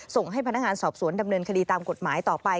ส่งให้พนักงานสอบสวนดำเนินคดีตามกฎหมายต่อไป